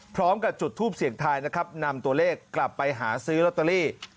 พร้อมกับจุดทูปเสียงทายนะครับนำตัวเลขกลับไปหาซื้อลอตเตอรี่